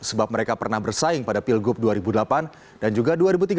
sebab mereka pernah bersaing pada pilgub dua ribu delapan dan juga dua ribu tiga belas